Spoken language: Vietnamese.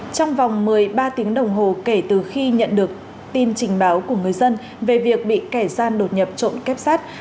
trong vòng một mươi ba tiếng đồng hồ kể từ khi nhận được tin trình báo của người dân về việc bị kẻ gian đột nhập trộm kép sát